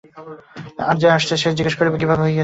আর যে আসছে সে জিজ্ঞেস করবে কীভাবে হয়েছে।